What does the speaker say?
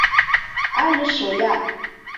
Але шоя!..